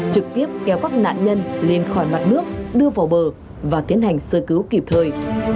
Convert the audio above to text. trực tiếp kéo các nạn nhân lên khỏi mặt nước đưa vào bờ và tiến hành sơ cứu kịp thời